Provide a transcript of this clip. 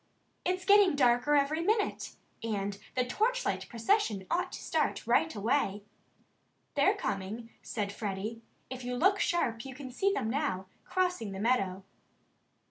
"It's getting darker every minute. And the torchlight procession ought to start right away." "They're coming," said Freddie. "If you look sharp you can see them now, crossing the meadow."